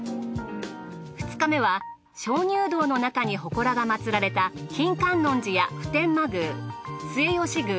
２日目は鍾乳洞の中に祠が祀られた金武観音寺や普天満宮末吉宮